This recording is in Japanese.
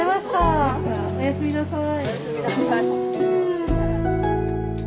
おやすみなさい。